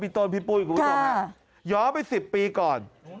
ต้นพี่ปุ้ยคุณผู้ชมฮะย้อนไป๑๐ปีก่อน